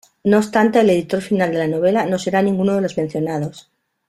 No obstante, el editor final de la novela no será ninguno de los mencionados.